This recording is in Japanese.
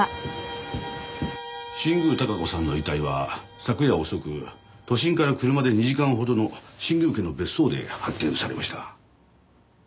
新宮孝子さんの遺体は昨夜遅く都心から車で２時間ほどの新宮家の別荘で発見されました。